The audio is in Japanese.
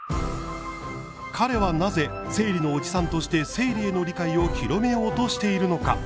彼は、なぜ生理のおじさんとして生理への理解を広めようとしているのか。